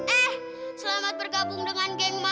eh selamat bergabung dengan geng ma